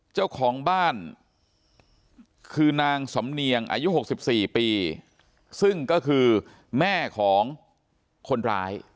เจ้าของบ้านคือนางสำเนียงอายุ๖๔ปีซึ่งก็คือแม่ของคนร้าย